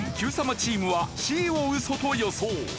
チームはＣをウソと予想。